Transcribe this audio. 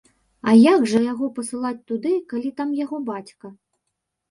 А як жа яго пасылаць туды, калі там яго бацька.